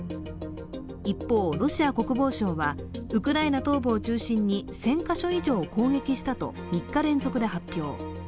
一方、ロシア国防省はウクライナ東部を中心に１０００カ所以上攻撃したと３日連続で発表。